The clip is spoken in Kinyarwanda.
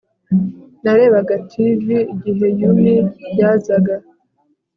Narebaga TV igihe Yumi yazaga